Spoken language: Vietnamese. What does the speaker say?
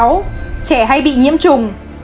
sáu trẻ hay bị nhiễm trùng